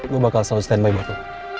gue bakal selalu stand by buat lo